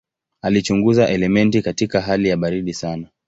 Alichunguza elementi katika hali ya baridi sana.